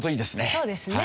そうですね。